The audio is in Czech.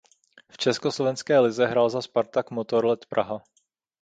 V československé lize hrál za Spartak Motorlet Praha.